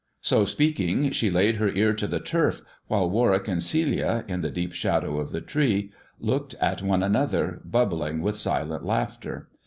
So speaking, she laid her ear to the turf, while Warwick and Celia, in the deep shadow of the tree, looked at one another, bubbling with silent laughter.